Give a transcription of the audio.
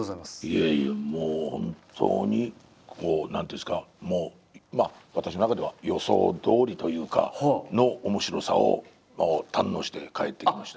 いえいえもう本当に何ていうんですか私の中では予想どおりというかの面白さを堪能して帰ってきました。